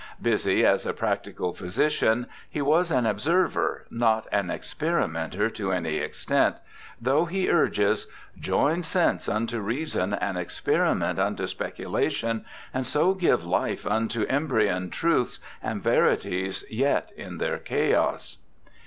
Busy as a practical physician, he was an observer, not an experimenter to any extent, though he urges :' Join sense unto reason and experi ment unto speculation, and so give life unto embryon truths and verities yet in their chaos.'